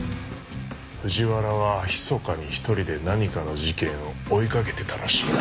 藤原はひそかに一人で何かの事件を追いかけてたらしいが。